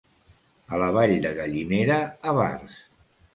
A la Vall de Gallinera, avars.